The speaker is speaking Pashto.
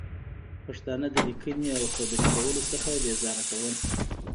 پښتانه د لیکنې او خبرې کولو څخه بې زاره کول